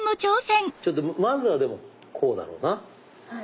まずはこうだろうな。